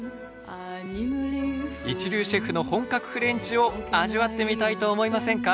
一流シェフの本格フレンチを味わってみたいと思いませんか？